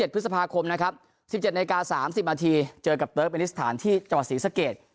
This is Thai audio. ๒๗พฤษภาคมนะครับ๑๗นาฬิกา๓๐นาทีเจอกับเตอร์กเป็นลิตรสถานที่เจาะศรีสะเกด